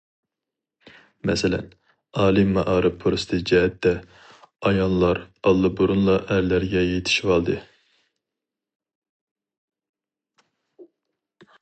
مەسىلەن: ئالىي مائارىپ پۇرسىتى جەھەتتە، ئاياللار ئاللىبۇرۇنلا ئەرلەرگە يېتىشىۋالدى.